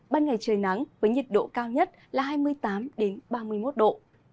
ban ngày trời nắng với nhiệt độ cao nhất là hai mươi tám ba mươi một độ